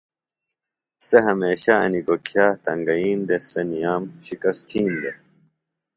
سےۡ ہمیشہ انیۡ گوکھِیہ تنگئین دےۡ سےۡ نِیام شِکست تِھین دےۡ